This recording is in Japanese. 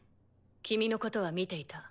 君のことは見ていた。